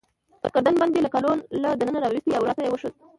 ګردن بند يې له کالو له دننه راوایستی، او راته يې وښود.